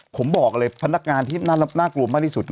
ผมบอกเลยพนักงานที่น่ากลัวมากที่สุด